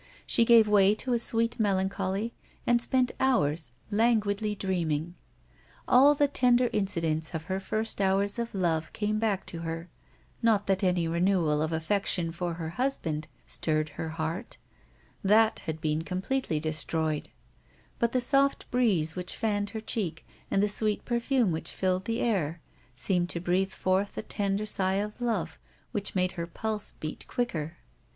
She gave way to a sweet melancholy and spent hours languidly dreaming. All the tender incidents of her first hours of love came back to her, 144 A WOMAN'S LIFE. not that any renewal of affection for her husband stirred her heart, that had been completely destroyed^ but the soft breeze which fanned her cheek and the sweet perfumes which filled he air, seemed to breathe forth a tender sigh of love whici made her pulse beat quicker.